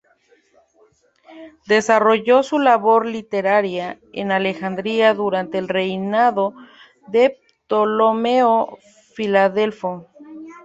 Desarrolló su labor literaria en Alejandría durante el reinado de Ptolomeo Filadelfo.